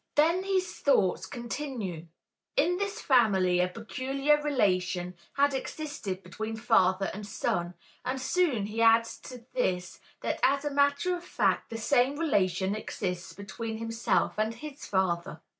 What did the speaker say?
Then his thoughts continue: In this family a peculiar relation had existed between father and son, and soon he adds to this that as a matter of fact the same relation exists between himself and his father.